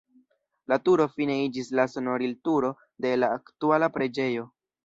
La turo fine iĝis la sonorilturo de la aktuala preĝejo.